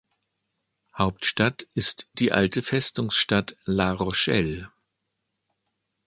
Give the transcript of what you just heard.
Hauptstadt ist die alte Festungsstadt La Rochelle.